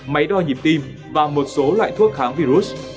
máy đo nhịp tim và một số loại thuốc kháng virus